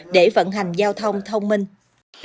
để vận hành giao thông thông minh